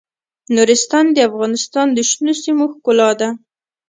نورستان د افغانستان د شنو سیمو ښکلا ده.